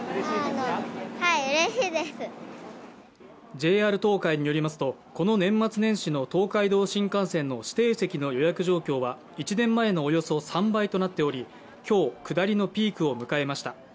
ＪＲ東海によりますとこの年末年始の東海道新幹線の指定席の予約状況は１年前のおよそ３倍となっており今日、下りピークを迎えました。